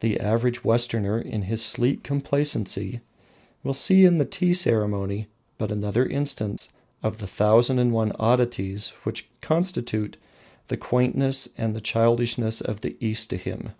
The average Westerner, in his sleek complacency, will see in the tea ceremony but another instance of the thousand and one oddities which constitute the quaintness and childishness of the East to him.